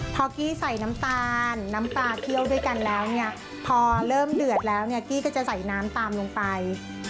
พอกี้ใส่น้ำตาลน้ำปลาเคี่ยวด้วยกันแล้วเนี่ยพอเริ่มเดือดแล้วเนี่ยกี้ก็จะใส่น้ำตามลงไป